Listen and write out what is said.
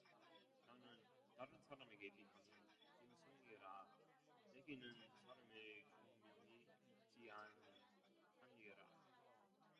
나는 다른 사람에게 비하면 짐승이라 내게는 사람의 총명이 있지아니하니라